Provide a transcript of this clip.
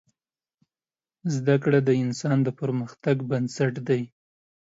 زده کړه د انسان د پرمختګ بنسټ دی.